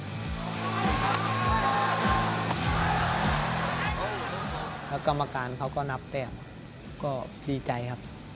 แล้วกรรมการเขาก็นับแต่ก็ดีใจครับ